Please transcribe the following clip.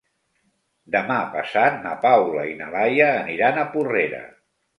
Demà passat na Paula i na Laia aniran a Porrera.